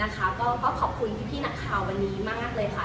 ก็ขอบคุณพี่นักข่าววันนี้มากเลยค่ะ